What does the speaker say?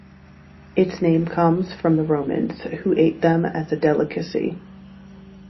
Its name comes from the Romans, who ate them as a delicacy.